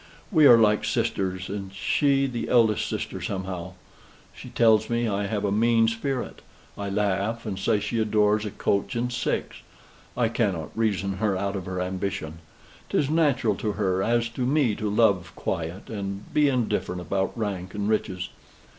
We are like sisters, and she the eldest sister, somehow. She tells me I have a mean spirit. I laugh, and say she adores a coach and six. I cannot reason her out of her ambition. 'Tis natural to her, as to me to love quiet, and be indifferent about rank and riches.